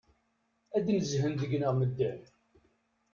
Ad d-nezhen deg-neɣ medden!